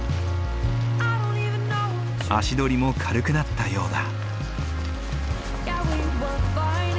足取りも軽くなったようだ。